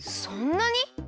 そんなに？